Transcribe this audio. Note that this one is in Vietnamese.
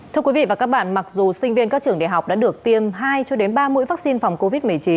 thưa quý vị và các bạn mặc dù sinh viên các trường đại học đã được tiêm hai cho đến ba mũi vaccine phòng covid một mươi chín